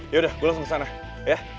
yaudah gue langsung kesana ya